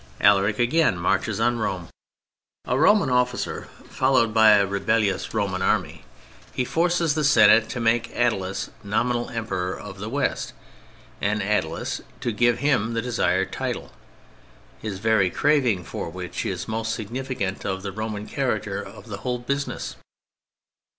Alaric again marches on Rome, a Roman officer followed by a rebellious Roman Army. He forces the Senate to make Attalus nominal Emperor of the West, and Attalus to give him the desired title, his very craving for which is most significant of the Roman character of the whole business.